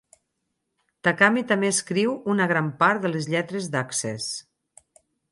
Takami també escriu una gran part de les lletres d'Access.